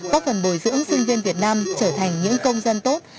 có phần bồi dưỡng sinh viên việt nam trở thành những công dân tốt